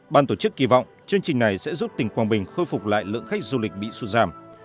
ban tổ chức kỳ vọng chương trình này sẽ giúp tỉnh quảng bình khôi phục lại lượng khách du lịch bị sụt giảm